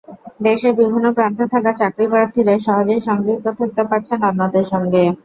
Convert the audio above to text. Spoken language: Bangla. দেশের বিভিন্ন প্রান্তে থাকা চাকরিপ্রার্থীরা সহজেই সংযুক্ত থাকতে পারছেন অন্যদের সঙ্গে।